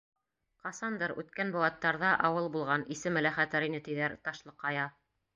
Ҡасандыр, үткән быуаттарҙа, ауыл булған, исеме лә хәтәр ине тиҙәр: Ташлыҡая.